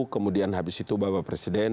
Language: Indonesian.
kemudian habis itu bapak presiden